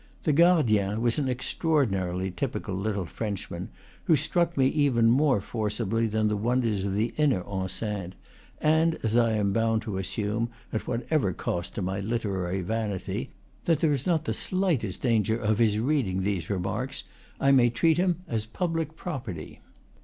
The gardien was an extra ordinarily typical little Frenchman, who struck me even more forcibly than the wonders of the inner enceinte; and as I am bound to assume, at whatever cost to my literary vanity, that there is not the slightest danger of his reading these remarks, I may treat him as public property.